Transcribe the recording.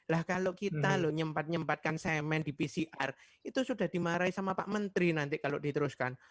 lah kalau kita loh nyempat nyempatkan semen di pcr itu sudah dimarahi sama pak menteri nanti kalau diteruskan